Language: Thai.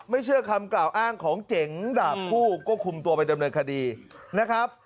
เชื่อคำกล่าวอ้างของเจ๋งดาบผู้ก็คุมตัวไปดำเนินคดีนะครับ